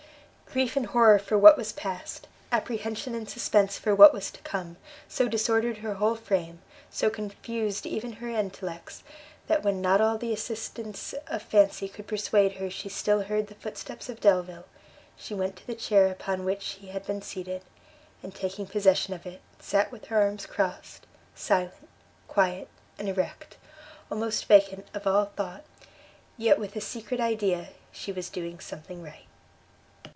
Grief and horror for what was past, apprehension and suspense for what was to come, so disordered her whole frame, so confused even her intellects, that when not all the assistance of fancy could persuade her she still heard the footsteps of Delvile, she went to the chair upon which he had been seated, and taking possession of it, sat with her arms crossed, silent, quiet, and erect, almost vacant of all thought, yet with a secret idea she was doing something right.